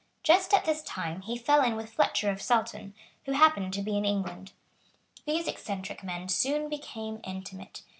Just at this time he fell in with Fletcher of Saltoun, who happened to be in England. These eccentric men soon became intimate.